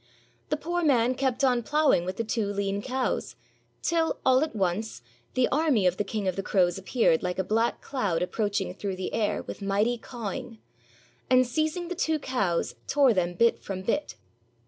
The poor man kept on ploughing with the two lean cows, till, all at once, the army of the King of the Crows ap peared like a black cloud approaching through the air, with mighty cawing, and seizing the two cows tore them bit from bit.